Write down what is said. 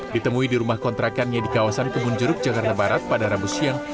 ditemui di rumah kontrakannya di kawasan kebun jeruk jakarta barat pada rabu siang